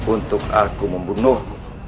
untuk aku membunuh